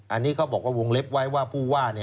อันนี้เขาบอกว่าวงเล็บไว้ว่าผู้ว่า